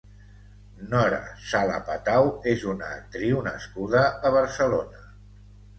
Nora Sala-Patau és una actriu nascuda a Barcelona.